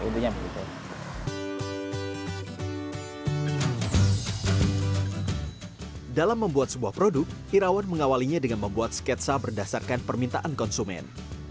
dalam membuat sebuah produk irawan mengawalinya dengan membuat sketsa berdasarkan permintaan konsumen